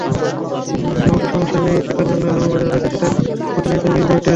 অবশ্য সমস্যা নেই, থাকার জন্য লামা বাজারে রয়েছে শীতাতপনিয়ন্ত্রিত মিরিঞ্জা হোটেল।